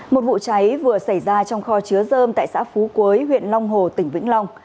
một vụ cháy vừa xảy ra trong kho chứa dơm tại xã phú quế huyện long hồ tỉnh vĩnh long